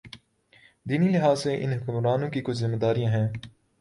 دینی لحاظ سے ان حکمرانوں کی کچھ ذمہ داریاں ہیں۔